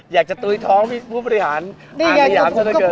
อยากจะตุ๊ยท้องพี่ผู้ประหารอาหารพยายามเช่นเท่าไหร่